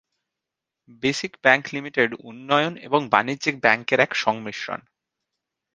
Basic bank limited উন্নয়ন এবং বাণিজ্যিক ব্যাংকের এক সংমিশ্রণ।